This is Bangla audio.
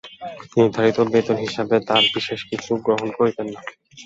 নির্ধারিত বেতন হিসাবেও তাঁরা বিশেষ কিছু গ্রহণ করতেন না।